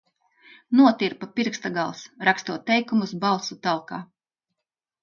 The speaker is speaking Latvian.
Notirpa pirksta gals, rakstot teikumus balsu talkā.